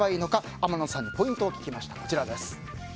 天野さんにポイントを聞きました。